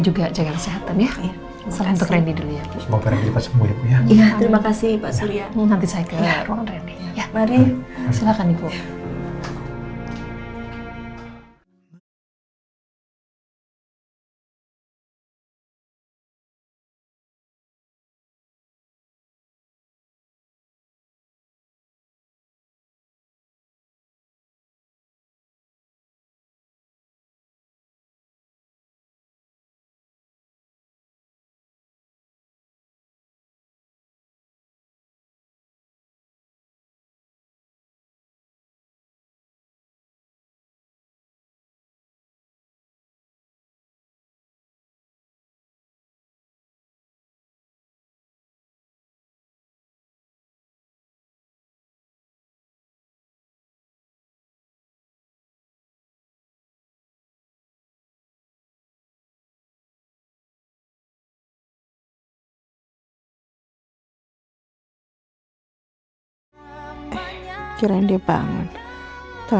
untuk melihat keadaan randy